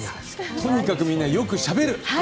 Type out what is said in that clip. とにかくみんなよくしゃべる。